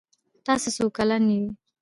تاسو څو کلن یې؟